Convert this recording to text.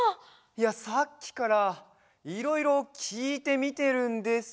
いやさっきからいろいろきいてみてるんですが。